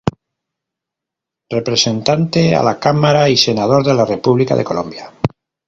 Representante a la Cámara y Senador de la República de Colombia.